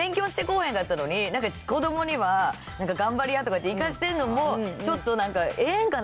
へんかったのに、なんか子どもには頑張りやとか行かしてんのも、ちょっとなんか、ええんかな？